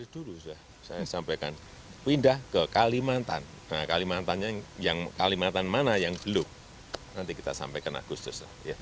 tanya tanya yang kalimantan mana yang belum nanti kita sampaikan agustus